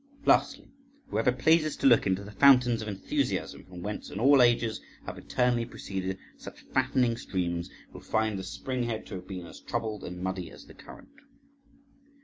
Lastly, whoever pleases to look into the fountains of enthusiasm, from whence in all ages have eternally proceeded such fattening streams, will find the spring head to have been as troubled and muddy as the current.